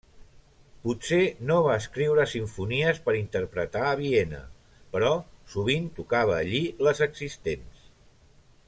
Potser no va escriure simfonies per interpretar a Viena, però sovint tocava allí les existents.